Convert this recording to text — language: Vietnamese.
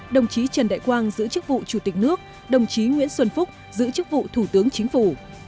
đồng chí trần đại quang giữ chức vụ chủ tịch nước đồng chí nguyễn xuân phúc giữ chức vụ thủ tướng chính phủ